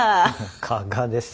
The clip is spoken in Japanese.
加賀です。